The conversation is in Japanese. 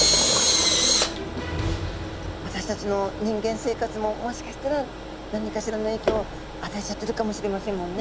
私たちの人間生活ももしかしたら何かしらの影響を与えちゃってるかもしれませんもんね